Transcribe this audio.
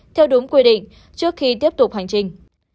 theo đúng quy định trước khi tiếp tục hành trình